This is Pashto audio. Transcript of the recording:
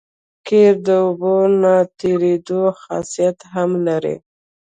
قیر د اوبو د نه تېرېدو خاصیت هم لري